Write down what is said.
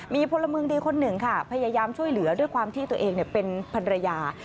มีพลเมืองดีคนหนึ่งค่ะพยายามช่วยเหลือด้วยความที่ตัวเองเป็นภรรยา